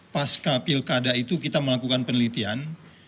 pasca pilkada itu kita melakukan penelitian